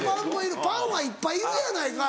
パンはいっぱいいるやないかい。